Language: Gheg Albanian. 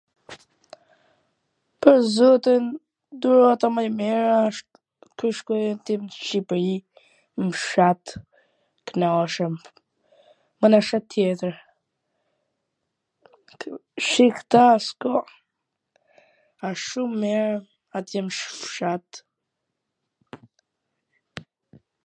Pwr zotin, dhurata ma e mir asht kur shkoj aty n Shqipri, m fshat, knaCem, a nonj shtet tjetwr, shi kta askund, asht shum mir atje m fsh fshat